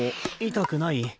痛くない？